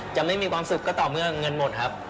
จะไม่มีความสุขก็ต่อเมื่อเงินหมดครับ